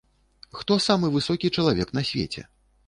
Хто самы высокі чалавек на свеце?